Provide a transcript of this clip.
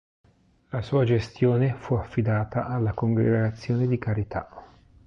La sua gestione fu affidata alla Congregazione di Carità.